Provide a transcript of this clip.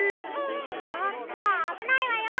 ちょっとあぶないわよ。